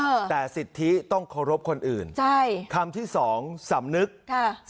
เออแต่สิทธิต้องเคารพคนอื่นใช่คำที่สองสำนึกค่ะ